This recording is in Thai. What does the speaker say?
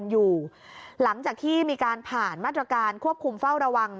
อยู่หลังจากที่มีการผ่านมาตรการควบคุมเฝ้าระวัง